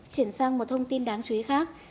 chuyển sang một thông tin đáng chú ý khác